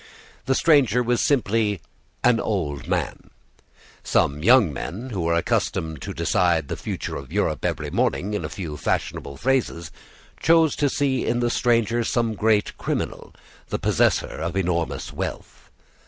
The stranger was simply an old man. Some young men, who were accustomed to decide the future of Europe every morning in a few fashionable phrases, chose to see in the stranger some great criminal, the possessor of enormous wealth.